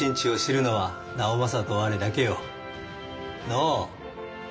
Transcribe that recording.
のう？